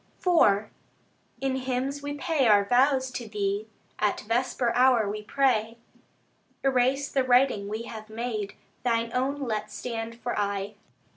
IV In hymns we pay our vows to Thee: At vesper hour we pray, Erase the writing we have made, Thine own let stand for aye.